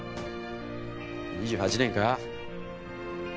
２８年か？